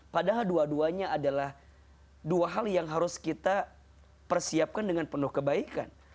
padahal dua duanya adalah dua hal yang harus kita persiapkan dengan penuh kebaikan